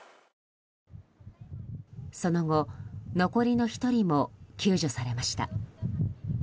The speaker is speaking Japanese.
その後、残りの１人も救助されました。